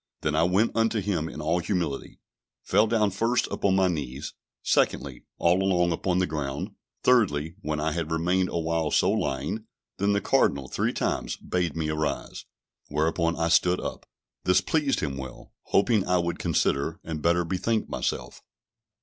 Then I went unto him in all humility, fell down first upon my knees; secondly, all along upon the ground; thirdly, when I had remained awhile so lying, then the Cardinal three times bade me arise; whereupon I stood up. This pleased him well, hoping I would consider, and better bethink myself.